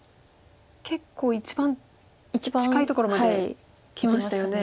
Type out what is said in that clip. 結構一番近いところまできましたよね。